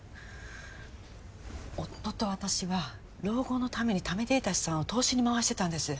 夫と私は老後のためにためていた資産を投資に回してたんです